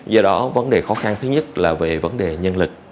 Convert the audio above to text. do đó vấn đề khó khăn thứ nhất là về vấn đề nhân lực